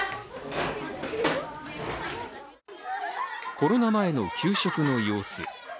コロナ前の給食の様子。